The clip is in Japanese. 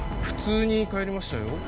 普通に帰りましたよ